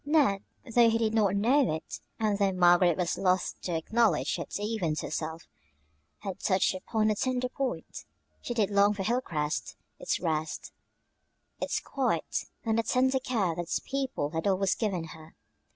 Ned, though he did not know it, and though Margaret was loth to acknowledge it even to herself, had touched upon a tender point. She did long for Hilcrest, its rest, its quiet, and the tender care that its people had always given her.